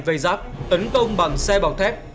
vây giáp tấn công bằng xe bọc thép